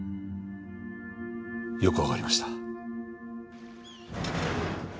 よくわかりました。